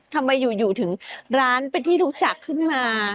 ทำไมอยู่ถึงร้านเป็นที่รู้จักขึ้นมา